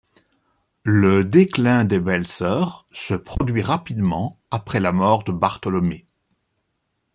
Le déclin des Welser se produit rapidement après la mort de Bartholomé.